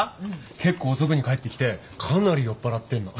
結構遅くに帰ってきてかなり酔っぱらってんの。